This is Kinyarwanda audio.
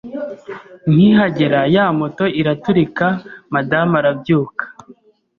nkihagera ya moto iraturika, madamu arabyuka